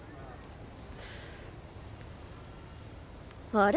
あれ？